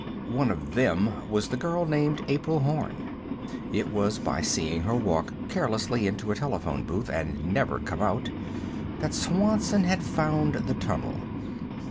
One of "them" was the girl named April Horn. It was by seeing her walk carelessly into a telephone booth and never come out that Swanson had found the tunnel.